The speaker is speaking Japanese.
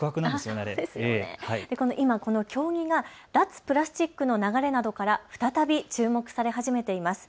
今この経木が脱プラスチックの流れなどから再び注目され始めています。